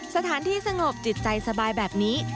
สถานที่สงบจิตใจสบายแบบนี้